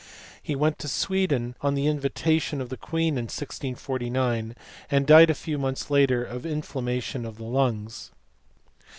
He went to Sweden on the invitation of the Queen in 1649, and died a few months later of inflam mation of the lungs.